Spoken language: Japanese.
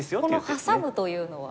このハサむというのは。